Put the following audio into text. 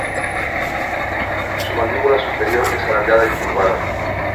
Su mandíbula superior es alargada y curvada.